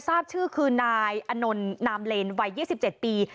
ทราบชื่อคือนายอนนท์นามเลนวัย๒๗ปี